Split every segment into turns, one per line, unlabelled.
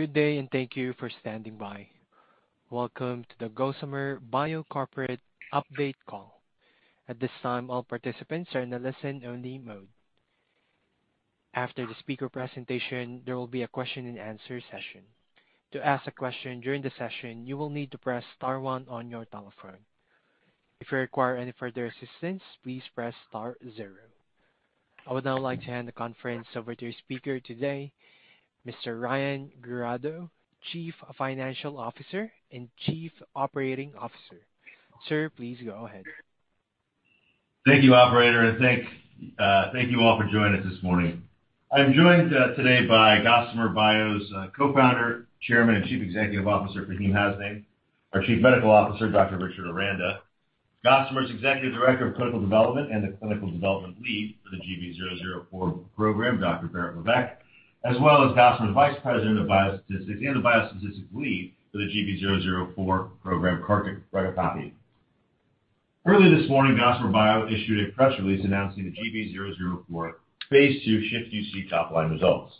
Good day and thank you for standing by. Welcome to the Gossamer Bio Corporate Update Call. At this time, all participants are in a listen-only mode. After the speaker presentation, there will be a question-and-answer session. To ask a question during the session, you will need to press star one on your telephone. If you require any further assistance, please press star zero. I would now like to hand the conference over to your speaker today, Mr. Bryan Giraudo, Chief Financial Officer and Chief Operating Officer. Sir, please go ahead.
Thank you, operator, and thank you all for joining us this morning. I'm joined today by Gossamer Bio's Co-Founder, Chairman, and Chief Executive Officer, Faheem Hasnain; our Chief Medical Officer, Dr. Richard Aranda; Gossamer's Executive Director of Clinical Development and the Clinical Development Lead for the GB-004 Program, Dr. Barrett Levesque; as well as Gossamer's Vice President of Biostatistics and the Biostatistics Lead for the GB-004 Program, Kartik Raghupathi. Earlier this morning, Gossamer Bio issued a press release announcing the GB-004 phase II SHIFT-UC top-line results.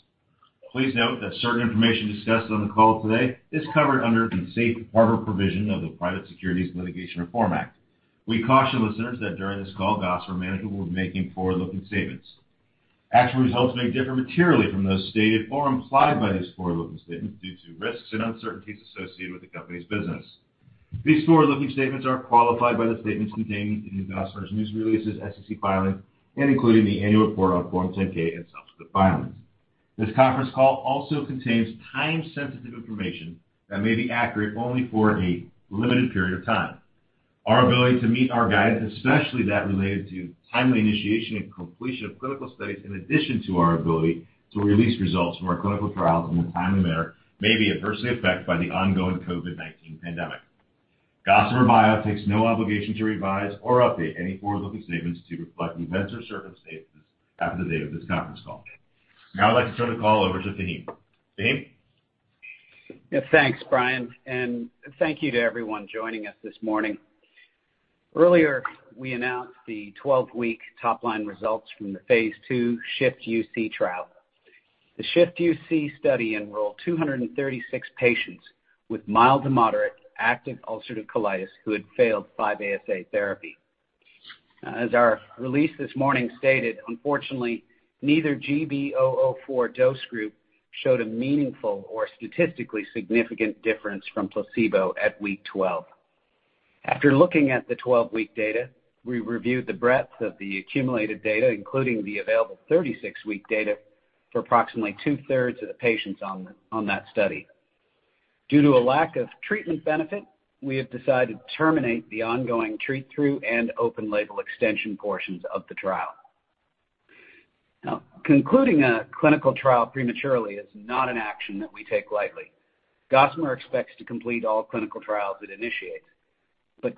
Please note that certain information discussed on the call today is covered under the safe harbor provision of the Private Securities Litigation Reform Act. We caution listeners that during this call, Gossamer management will be making forward-looking statements. Actual results may differ materially from those stated or implied by these forward-looking statements due to risks and uncertainties associated with the company's business. These forward-looking statements are qualified by the statements contained in Gossamer's news releases, SEC filings, and including the annual report on Form 10-K and subsequent filings. This conference call also contains time-sensitive information that may be accurate only for a limited period of time. Our ability to meet our guidance, especially that related to timely initiation and completion of clinical studies, in addition to our ability to release results from our clinical trials in a timely manner, may be adversely affected by the ongoing COVID-19 pandemic. Gossamer Bio takes no obligation to revise or update any forward-looking statements to reflect events or circumstances after the date of this conference call. Now I'd like to turn the call over to Faheem. Faheem?
Yeah. Thanks, Bryan, and thank you to everyone joining us this morning. Earlier, we announced the 12-week top line results from the phase II SHIFT-UC trial. The SHIFT-UC study enrolled 236 patients with mild to moderate active ulcerative colitis who had failed 5-ASA therapy. As our release this morning stated, unfortunately, neither GB004 dose group showed a meaningful or statistically significant difference from placebo at week 12. After looking at the 12-week data, we reviewed the breadth of the accumulated data, including the available 36-week data for approximately two-thirds of the patients on that study. Due to a lack of treatment benefit, we have decided to terminate the ongoing treat-through and open label extension portions of the trial. Now, concluding a clinical trial prematurely is not an action that we take lightly. Gossamer expects to complete all clinical trials it initiates.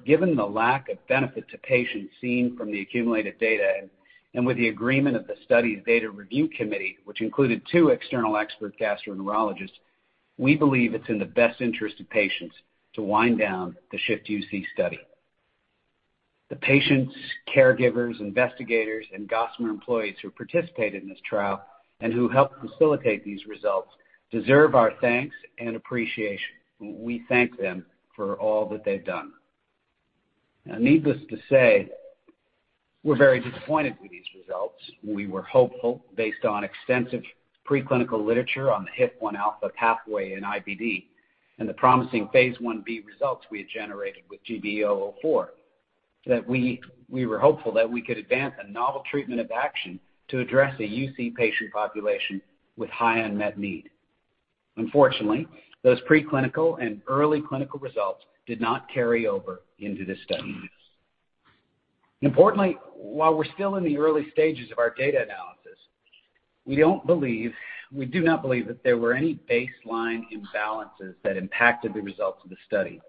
Given the lack of benefit to patients seen from the accumulated data and with the agreement of the study's data review committee, which included two external expert gastroenterologists, we believe it's in the best interest of patients to wind down the SHIFT-UC study. The patients, caregivers, investigators, and Gossamer employees who participated in this trial and who helped facilitate these results deserve our thanks and appreciation. We thank them for all that they've done. Now, needless to say, we're very disappointed with these results. We were hopeful based on extensive preclinical literature on the HIF-1α pathway in IBD and the promising phase IB results we had generated with GB004, that we could advance a novel mechanism of action to address a UC patient population with high unmet need. Unfortunately, those preclinical and early clinical results did not carry over into this study. Importantly, while we're still in the early stages of our data analysis, we do not believe that there were any baseline imbalances that impacted the results of the study.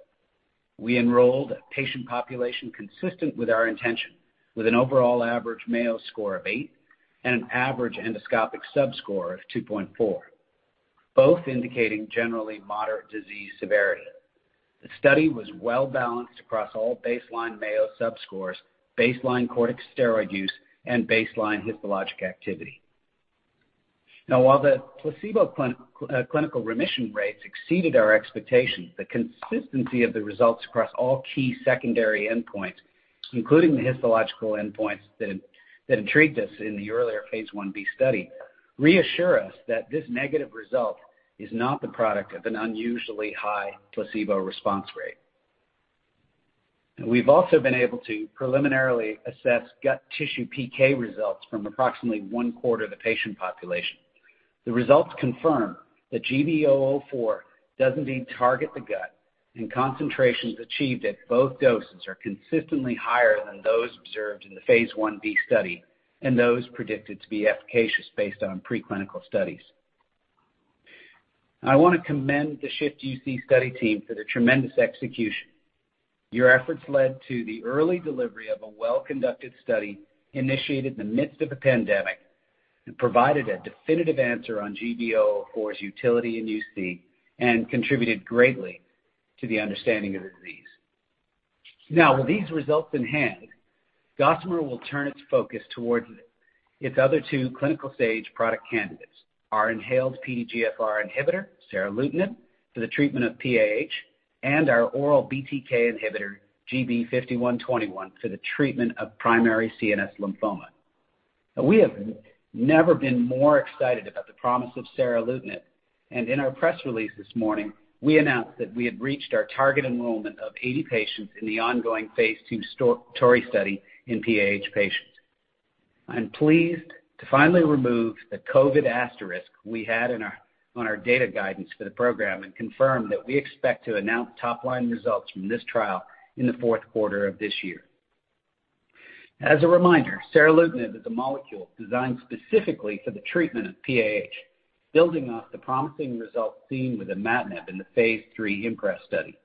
We enrolled a patient population consistent with our intention, with an overall average Mayo score of 8 and an average endoscopic subscore of 2.4, both indicating generally moderate disease severity. The study was well-balanced across all baseline Mayo subscores, baseline corticosteroid use, and baseline histologic activity. Now, while the placebo clinical remission rates exceeded our expectations, the consistency of the results across all key secondary endpoints, including the histological endpoints that intrigued us in the earlier phase Ib study, reassure us that this negative result is not the product of an unusually high placebo response rate. We've also been able to preliminarily assess gut tissue PK results from approximately one-quarter of the patient population. The results confirm that GB004 does indeed target the gut, and concentrations achieved at both doses are consistently higher than those observed in the phase Ib study and those predicted to be efficacious based on preclinical studies. I want to commend the SHIFT-UC study team for their tremendous execution. Your efforts led to the early delivery of a well-conducted study initiated in the midst of a pandemic and provided a definitive answer on GB004's utility in UC and contributed greatly to the understanding of the disease. Now with these results in hand, Gossamer will turn its focus towards its other two clinical stage product candidates, our inhaled PDGFR inhibitor, seralutinib, for the treatment of PAH, and our oral BTK inhibitor, GB5121, for the treatment of primary CNS lymphoma. We have never been more excited about the promise of seralutinib. In our press release this morning, we announced that we had reached our target enrollment of 80 patients in the ongoing phase II TORI study in PAH patients. I'm pleased to finally remove the COVID asterisk we had on our data guidance for the program and confirm that we expect to announce top line results from this trial in the fourth quarter of this year. As a reminder, seralutinib is a molecule designed specifically for the treatment of PAH, building off the promising results seen with imatinib in the phase III IMPRES study.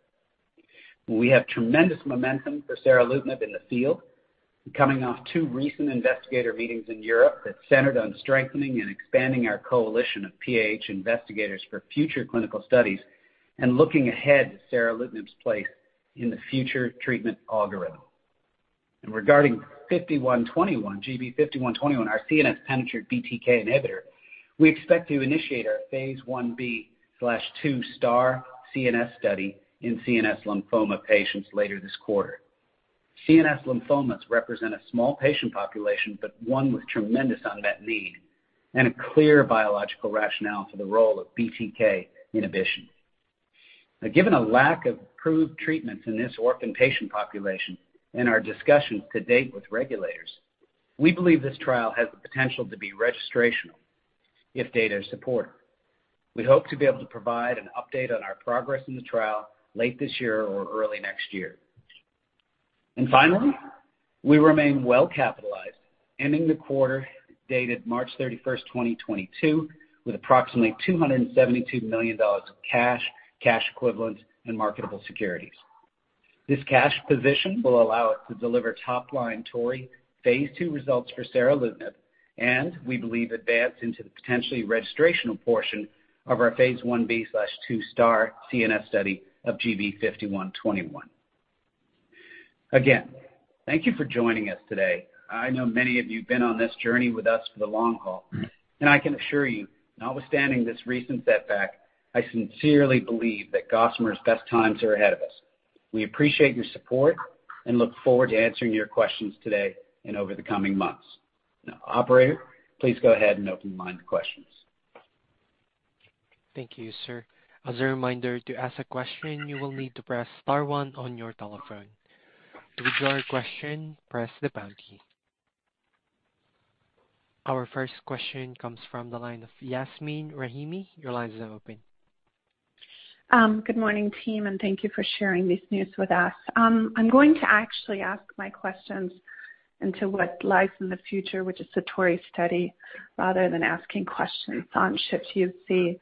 We have tremendous momentum for seralutinib in the field, coming off two recent investigator meetings in Europe that centered on strengthening and expanding our coalition of PAH investigators for future clinical studies and looking ahead at seralutinib's place in the future treatment algorithm. Regarding fifty-one twenty-one—GB5121, our CNS-penetrant BTK inhibitor, we expect to initiate our phase I-B/II STAR CNS study in CNS lymphoma patients later this quarter. CNS lymphomas represent a small patient population, but one with tremendous unmet need and a clear biological rationale for the role of BTK inhibition. Now, given a lack of approved treatments in this orphan patient population in our discussions to date with regulators, we believe this trial has the potential to be registrational if data is supported. We hope to be able to provide an update on our progress in the trial late this year or early next year. Finally, we remain well-capitalized, ending the quarter dated 31 March 2022, with approximately $272 million of cash equivalents, and marketable securities. This cash position will allow us to deliver top line TORI phase II results for seralutinib, and we believe we can advance into the potentially registrational portion of our phase I-B/II STAR CNS study of GB5121. Again, thank you for joining us today. I know many of you've been on this journey with us for the long haul, and I can assure you, notwithstanding this recent setback, I sincerely believe that Gossamer Bio's best times are ahead of us. We appreciate your support and look forward to answering your questions today and over the coming months. Now, operator, please go ahead and open the line for questions.
Thank you, sir. As a reminder, to ask a question, you will need to press star one on your telephone. To withdraw a question, press the pound key. Our first question comes from the line of Yasmeen Rahimi. Your line is open.
Good morning, team, and thank you for sharing this news with us. I'm going to actually ask my questions into what lies in the future, which is the TORI study, rather than asking questions on SHIFT-UC.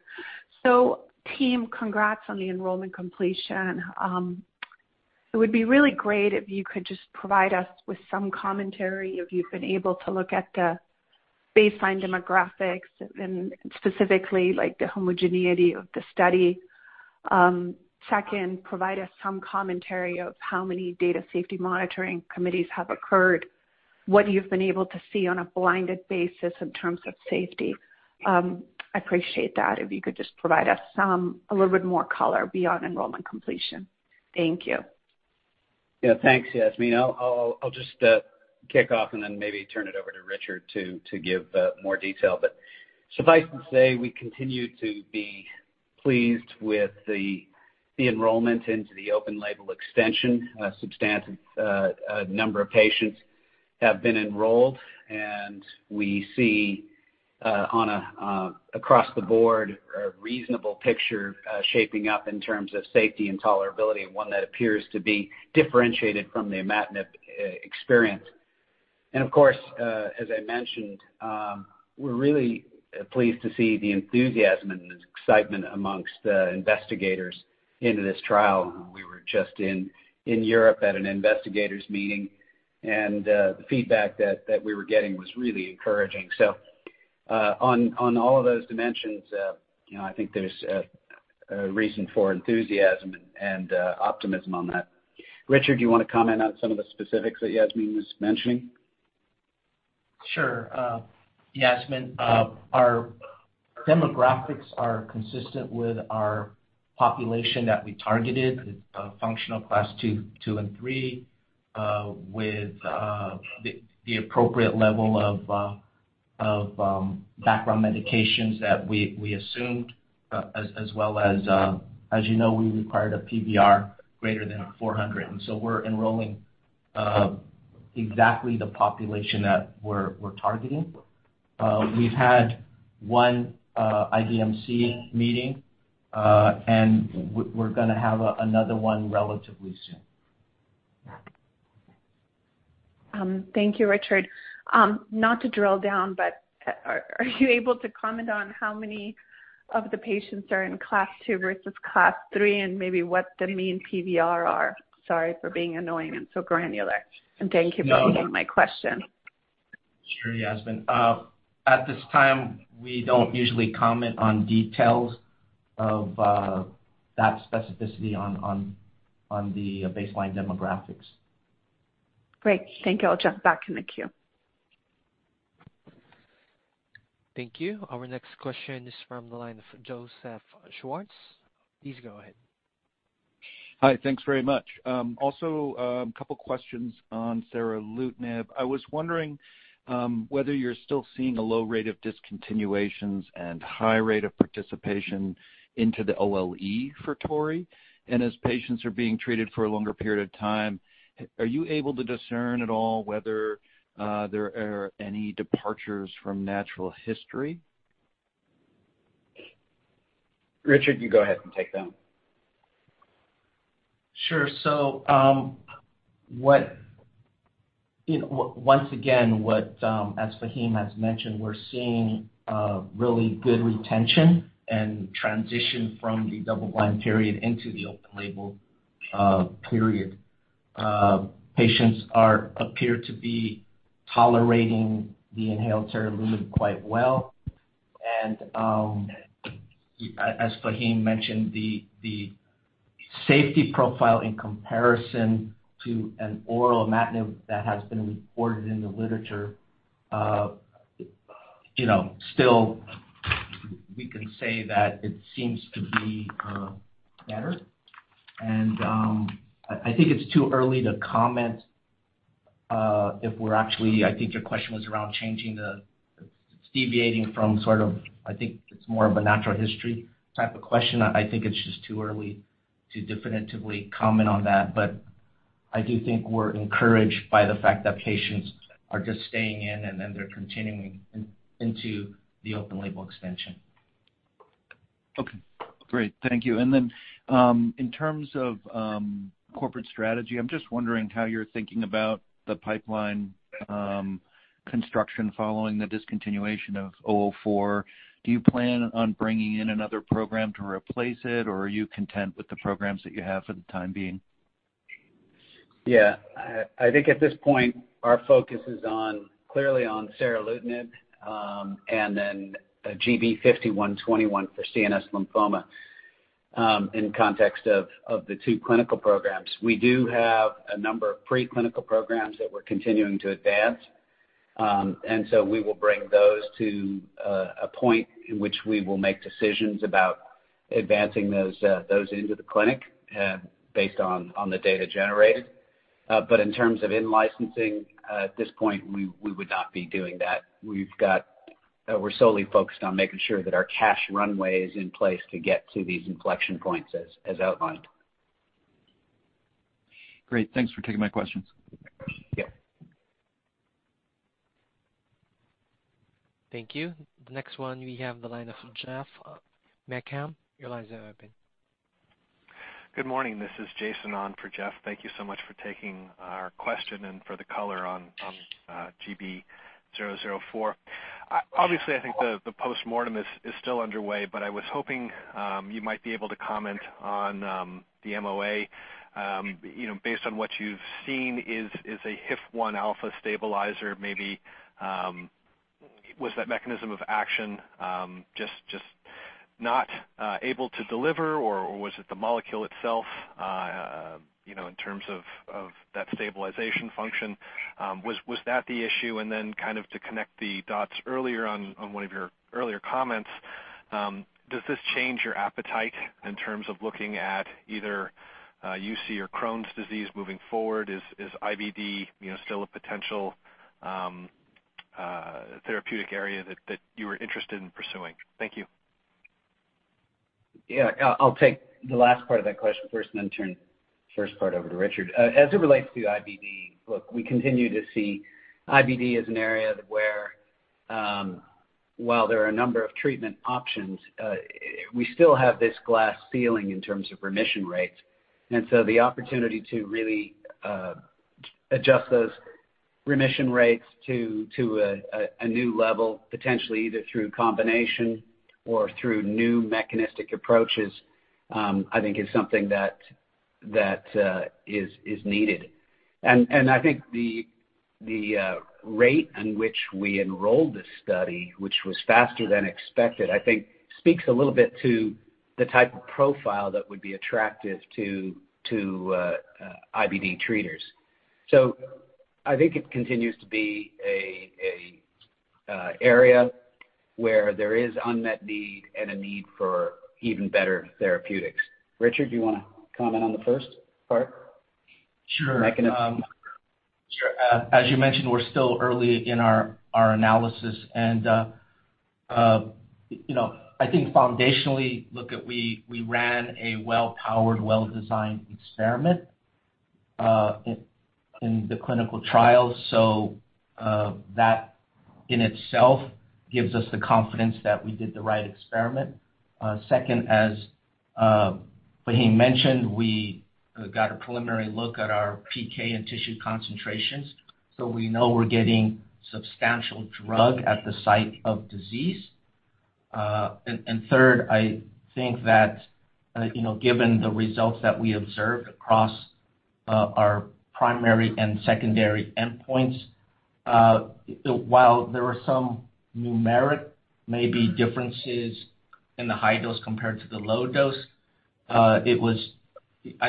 Team, congrats on the enrollment completion. It would be really great if you could just provide us with some commentary if you've been able to look at the baseline demographics and specifically like the homogeneity of the study. Second, provide us some commentary of how many data safety monitoring committees have occurred, what you've been able to see on a blinded basis in terms of safety. I appreciate that if you could just provide us a little bit more color beyond enrollment completion. Thank you.
Yeah. Thanks, Yasmeen. I'll just kick off and then maybe turn it over to Richard to give more detail. Suffice to say, we continue to be pleased with the enrollment into the open label extension. A substantive number of patients have been enrolled, and we see on a across the board a reasonable picture shaping up in terms of safety and tolerability, and one that appears to be differentiated from the imatinib experience. Of course, as I mentioned, we're really pleased to see the enthusiasm and the excitement amongst the investigators into this trial. We were just in Europe at an investigators meeting, and the feedback that we were getting was really encouraging. On all of those dimensions, you know, I think there's a reason for enthusiasm and optimism on that. Richard, do you want to comment on some of the specifics that Yasmeen was mentioning?
Sure. Yasmin, our demographics are consistent with our population that we targeted, functional class two and three, with the appropriate level of background medications that we assumed as well as you know, we required a PVR greater than 400. We're enrolling exactly the population that we're targeting. We've had one IDMC meeting, and we're gonna have another one relatively soon.
Thank you, Richard. Not to drill down, but are you able to comment on how many of the patients are in class 2 versus class 3 and maybe what the mean PVR are? Sorry for being annoying and so granular. Thank you for holding my question.
Sure, Yasmeen. At this time, we don't usually comment on details of that specificity on the baseline demographics.
Great. Thank you. I'll jump back in the queue.
Thank you. Our next question is from the line of Joseph Schwartz. Please go ahead.
Hi. Thanks very much. Also, a couple questions on seralutinib. I was wondering whether you're still seeing a low rate of discontinuations and high rate of participation into the OLE for TORI. As patients are being treated for a longer period of time, are you able to discern at all whether there are any departures from natural history?
Richard, you go ahead and take that.
Sure. You know, once again, as Faheem has mentioned, we're seeing really good retention and transition from the double-blind period into the open-label period. Patients appear to be tolerating the inhaled seralutinib quite well. As Faheem mentioned, the safety profile in comparison to an oral imatinib that has been reported in the literature, you know, still we can say that it seems to be better. I think it's too early to comment if we're actually changing the, deviating from sort of the natural history type of question. I think it's just too early to definitively comment on that. I do think we're encouraged by the fact that patients are just staying in, and then they're continuing into the open-label extension.
Okay. Great. Thank you. In terms of corporate strategy, I'm just wondering how you're thinking about the pipeline construction following the discontinuation of GB004. Do you plan on bringing in another program to replace it, or are you content with the programs that you have for the time being?
Yeah. I think at this point our focus is on clearly on seralutinib, and then GB5121 for CNS lymphoma, in context of the two clinical programs. We do have a number of preclinical programs that we're continuing to advance. We will bring those to a point in which we will make decisions about advancing those into the clinic, based on the data generated. In terms of in-licensing, at this point we would not be doing that. We're solely focused on making sure that our cash runway is in place to get to these inflection points as outlined.
Great. Thanks for taking my questions.
Yeah.
Thank you. The next one we have on the line is Jeff Markham. Your line is open.
Good morning. This is Jason on for Jeff. Thank you so much for taking our question and for the color on GB004. Obviously, I think the postmortem is still underway, but I was hoping you might be able to comment on the MOA. You know, based on what you've seen is a HIF-1α stabilizer maybe was that mechanism of action just not able to deliver, or was it the molecule itself, you know, in terms of that stabilization function? Was that the issue? Kind of to connect the dots earlier on one of your earlier comments, does this change your appetite in terms of looking at either UC or Crohn's disease moving forward? Is IBD, you know, still a potential therapeutic area that you were interested in pursuing? Thank you.
I'll take the last part of that question first and then turn the first part over to Richard. As it relates to IBD, look, we continue to see IBD as an area where, while there are a number of treatment options, we still have this glass ceiling in terms of remission rates. The opportunity to really adjust those remission rates to a new level, potentially either through combination or through new mechanistic approaches, I think is something that is needed. I think the rate in which we enrolled this study, which was faster than expected, I think speaks a little bit to the type of profile that would be attractive to IBD treaters. I think it continues to be an area where there is unmet need and a need for even better therapeutics. Richard, do you want to comment on the first part?
Sure...
Mechanism.
Sure. As you mentioned, we're still early in our analysis and, you know, I think foundationally, look, we ran a well-powered, well-designed experiment, in the clinical trial. That in itself gives us the confidence that we did the right experiment. Second, as Faheem mentioned, we got a preliminary look at our PK and tissue concentrations, so we know we're getting substantial drug at the site of disease. Third, I think that you know, given the results that we observed across our primary and secondary endpoints, while there were some numeric maybe differences in the high dose compared to the low dose, I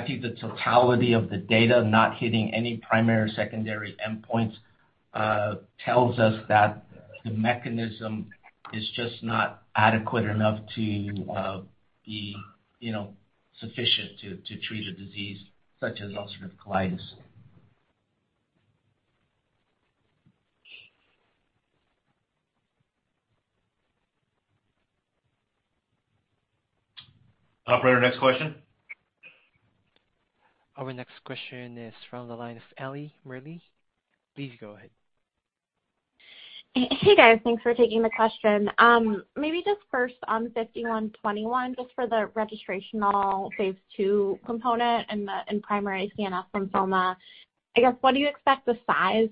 think the totality of the data not hitting any primary or secondary endpoints tells us that the mechanism is just not adequate enough to be you know sufficient to treat a disease such as ulcerative colitis.
Operator, next question.
Our next question is from the line of Ellie Merle. Please go ahead.
Hey, guys. Thanks for taking the question. Maybe just first on GB5121, just for the registrational phase II component and the primary CNS lymphoma, I guess, what do you expect the size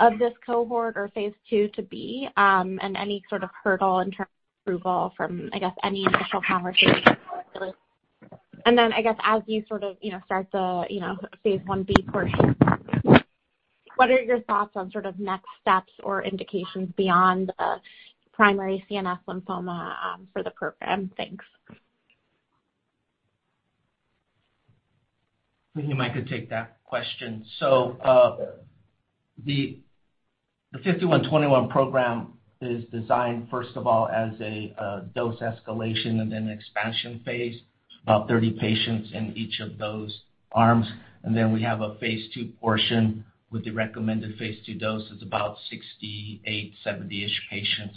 of this cohort or phase II to be? And any sort of hurdle in terms of approval from, I guess, any initial conversations? I guess as you sort of, you know, start the, you know, phase I-B portion, what are your thoughts on sort of next steps or indications beyond the primary CNS lymphoma, for the program? Thanks.
I think I might could take that question. The GB5121 program is designed first of all as a dose escalation and then expansion phase, about 30 patients in each of those arms. We have a phase II portion with the recommended phase II dose. It's about 68, 70-ish patients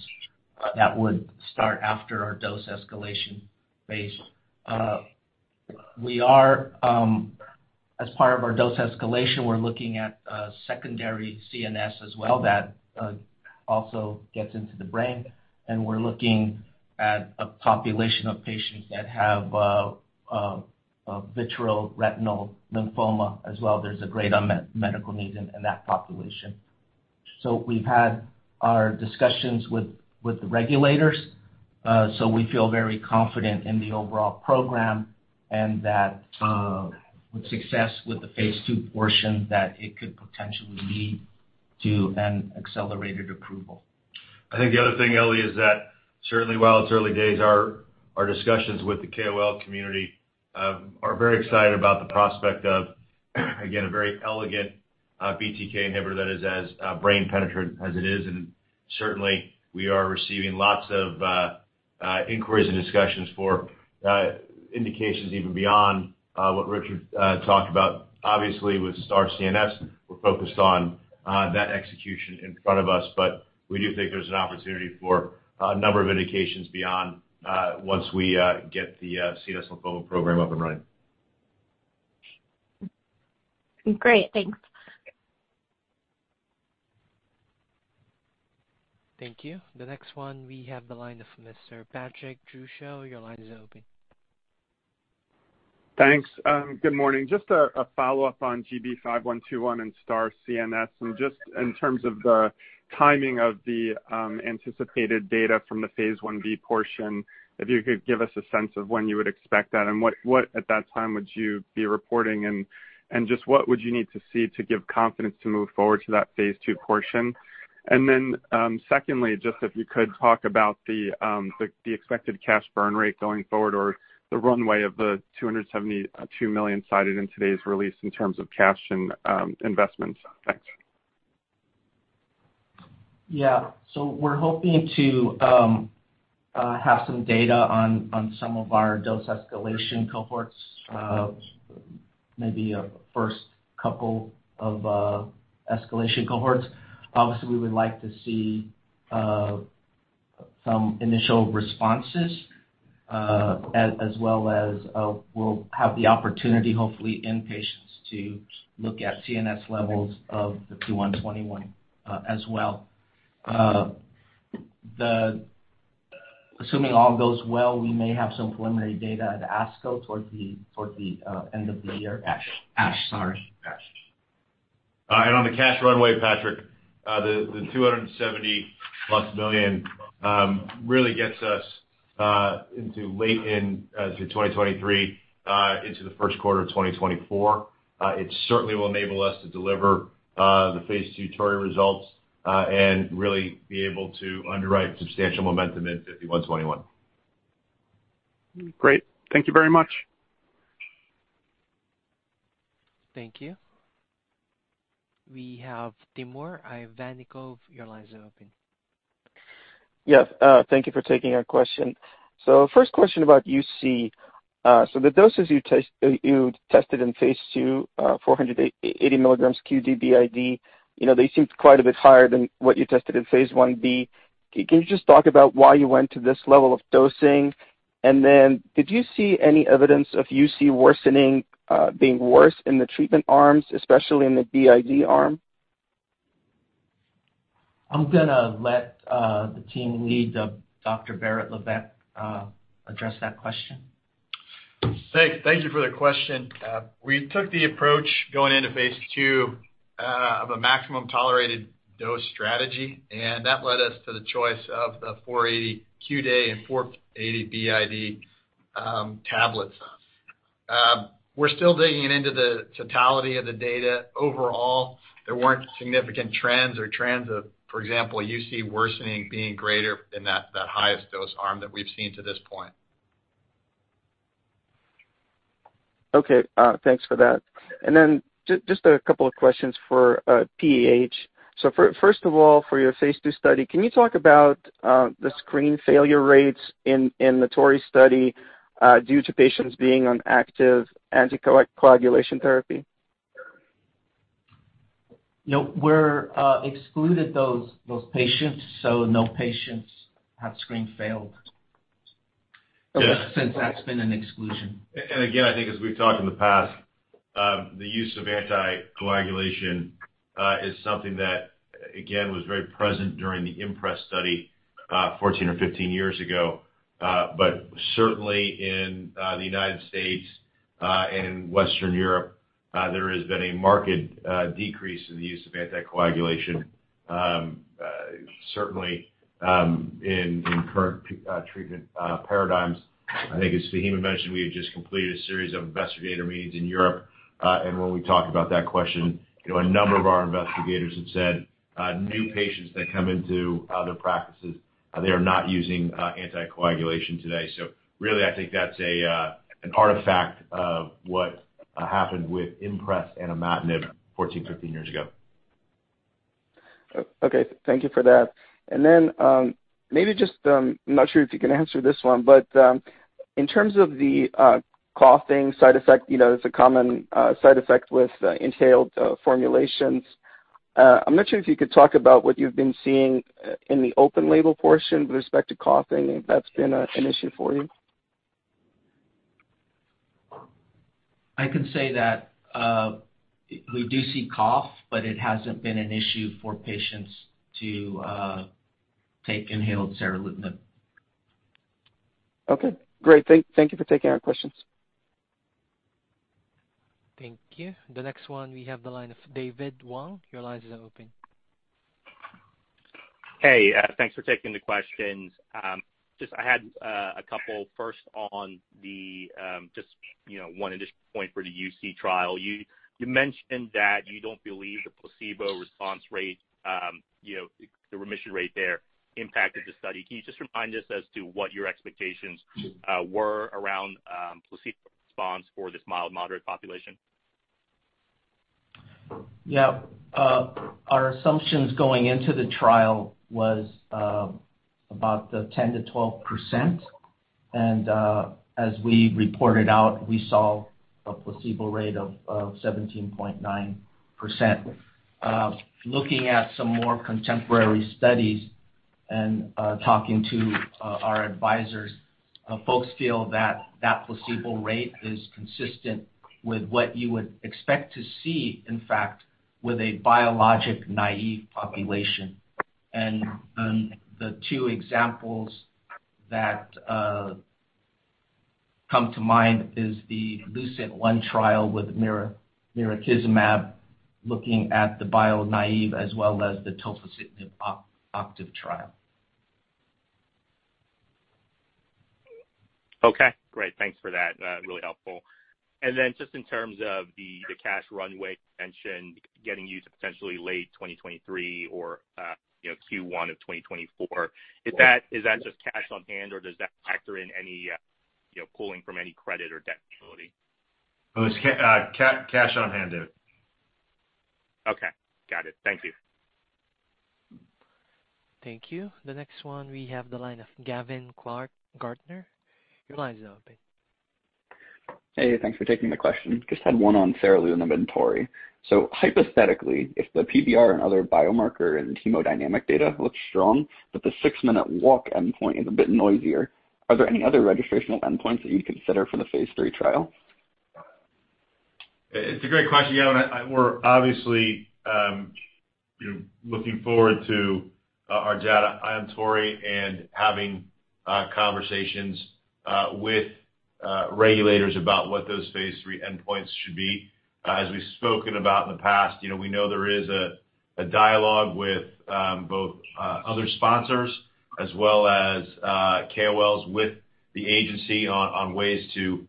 that would start after our dose escalation phase. As part of our dose escalation, we're looking at secondary CNS as well that also gets into the brain, and we're looking at a population of patients that have a vitreoretinal lymphoma as well. There's a great unmet medical need in that population. We've had our discussions with the regulators, so we feel very confident in the overall program and that, with success with the phase II portion, that it could potentially lead to an accelerated approval.
I think the other thing, Ellie, is that certainly while it's early days, our discussions with the KOL community are very excited about the prospect of, again, a very elegant BTK inhibitor that is as brain penetrant as it is. Certainly, we are receiving lots of inquiries and discussions for indications even beyond what Richard talked about. Obviously, with STAR CNS, we're focused on that execution in front of us, but we do think there's an opportunity for a number of indications beyond once we get the CNS lymphoma program up and running.
Great. Thanks.
Thank you. The next one, we have the line of Mr. Patrick Trucchio. Your line is open.
Thanks. Good morning. Just a follow-up on GB5121 and STAR CNS, and just in terms of the timing of the anticipated data from the phase Ib portion, if you could give us a sense of when you would expect that and what at that time would you be reporting? Just what would you need to see to give confidence to move forward to that phase II portion? Secondly, just if you could talk about the expected cash burn rate going forward or the runway of the $272 million cited in today's release in terms of cash and investments. Thanks.
Yeah. We're hoping to have some data on some of our dose escalation cohorts, maybe a first couple of escalation cohorts. Obviously, we would like to see some initial responses as well as we'll have the opportunity, hopefully in patients to look at CNS levels of GB5121 as well. Assuming all goes well, we may have some preliminary data at ASCO towards the end of the year. ASH, sorry.
On the cash runway, Patrick, the $270+ million really gets us into late 2023 through the first quarter of 2024. It certainly will enable us to deliver the phase II TORI results and really be able to underwrite substantial momentum in GB5121.
Great. Thank you very much.
Thank you. We have Timur Ivannikov. Your line is open.
Yes. Thank you for taking our question. First question about UC. The doses you tested in phase II, 408, 80 milligrams QD, BID, you know, they seemed quite a bit higher than what you tested in phase Ib. Can you just talk about why you went to this level of dosing? Did you see any evidence of UC worsening, being worse in the treatment arms, especially in the BID arm?
I'm gonna let the team lead, Dr. Barrett Levesque, address that question.
Thanks. Thank you for the question. We took the approach going into phase II of a maximum tolerated dose strategy, and that led us to the choice of the 400 mg QD and 400 mg BID tablets. We're still digging into the totality of the data. Overall, there weren't significant trends or trends of, for example, UC worsening being greater than that highest dose arm that we've seen to this point.
Okay, thanks for that. Then just a couple of questions for PAH. First of all, for your phase II study, can you talk about the screen failure rates in the TORI study due to patients being on active anticoagulation therapy?
No, we've excluded those patients, so no patients have screen failed...
Yeah...
Since that's been an exclusion.
I think as we've talked in the past, the use of anticoagulation is something that again was very present during the IMPRES study 14 or 15 years ago. Certainly in the United States and Western Europe, there has been a marked decrease in the use of anticoagulation, certainly in current PAH treatment paradigms. I think as Faheem mentioned, we had just completed a series of investigator meetings in Europe, and when we talked about that question, you know, a number of our investigators had said, new patients that come into other practices, they are not using anticoagulation today. Really, I think that's an artifact of what happened with IMPRES and imatinib 14 or 15 years ago.
Okay. Thank you for that. Maybe just, not sure if you can answer this one, but in terms of the coughing side effect, you know, it's a common side effect with inhaled formulations. I'm not sure if you could talk about what you've been seeing in the open label portion with respect to coughing, if that's been an issue for you.
I can say that we do see cough, but it hasn't been an issue for patients to take inhaled seralutinib.
Okay, great. Thank you for taking our questions.
Thank you. The next one we have the line of David Wong. Your line is now open.
Hey, thanks for taking the questions. Just I had a couple first on the just, you know, one additional point for the UC trial. You mentioned that you don't believe the placebo response rate, you know, the remission rate there impacted the study. Can you just remind us as to what your expectations were around placebo response for this mild moderate population?
Yeah. Our assumptions going into the trial was about the 10% to 12%. As we reported out, we saw a placebo rate of 17.9%. Looking at some more contemporary studies and talking to our advisors, folks feel that that placebo rate is consistent with what you would expect to see, in fact, with a biologic-naive population. The two examples that come to mind is the LUCENT-1 trial with mirikizumab, looking at the biologic-naive as well as the tofacitinib OCTAVE trial.
Okay, great. Thanks for that. Really helpful. Just in terms of the cash runway mentioned getting you to potentially late 2023 or first quarter of 2024, is that just cash on hand or does that factor in any pulling from any credit or debt facility?
It was cash on hand, David.
Okay. Got it. Thank you.
Thank you. The next one we have the line of Gavin Clark-Gartner. Your line is now open.
Hey, thanks for taking the question. Just had one on seralutinib and TORI. Hypothetically, if the PVR and other biomarker and hemodynamic data looks strong, but the six-minute walk endpoint is a bit noisier, are there any other registrational endpoints that you'd consider for the phase III trial?
It's a great question, Gavin. We're obviously, you know, looking forward to our data on TORI and having conversations with regulators about what those phase III endpoints should be. As we've spoken about in the past, you know, we know there is a dialogue with both other sponsors as well as KOLs with the agency on ways to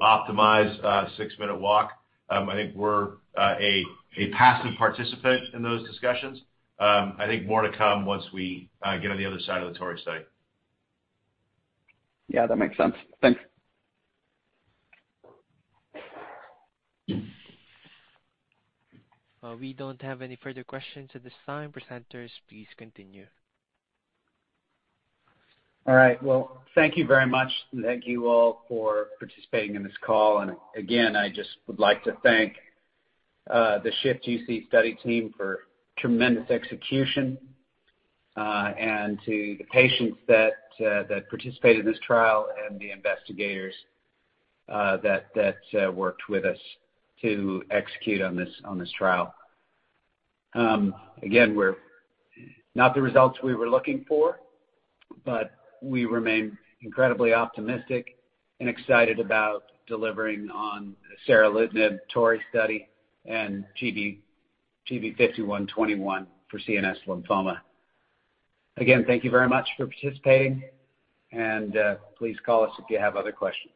optimize a six-minute walk. I think we're a passive participant in those discussions. I think more to come once we get on the other side of the TORI study.
Yeah, that makes sense. Thanks.
Well, we don't have any further questions at this time. Presenters, please continue.
All right. Well, thank you very much. Thank you all for participating in this call. Again, I just would like to thank the SHIFT-UC study team for tremendous execution and to the patients that participated in this trial and the investigators that worked with us to execute on this trial. Again, we're not the results we were looking for, but we remain incredibly optimistic and excited about delivering on seralutinib TORI study and GB5121 for CNS lymphoma. Again, thank you very much for participating and please call us if you have other questions.